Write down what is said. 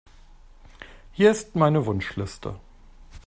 Hier ist meine Wunschliste.